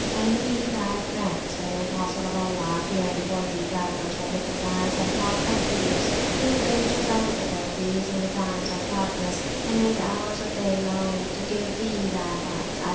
And we Thy Friends, O Apostle of Allah! appear before Thee, Travellers from distant lands and far Countries, through Dangers and Difficulties, in the Times of Darkness, and in the Hours of Day, longing to give Thee Thy Rights (i.